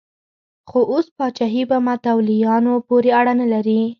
خو اوس پاچاهي په متولیانو پورې اړه نه لري.